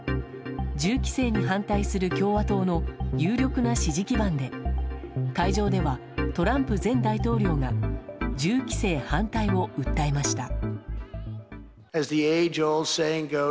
銃規制に反対する共和党の有力な支持基盤で会場ではトランプ前大統領が銃規制反対を訴えました。